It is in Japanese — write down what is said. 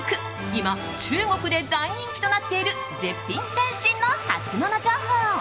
今、中国で大人気となっている絶品点心のハツモノ情報。